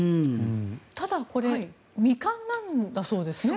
ただ、これ未完なんだそうですね。